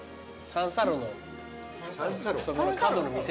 三差路の角の店。